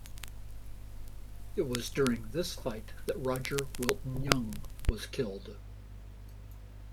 It was during this fight that Rodger Wilton Young was killed.